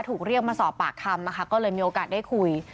ถูกเรียกมาสอบปากคำนะคะก็เลยมีโอกาสได้คุย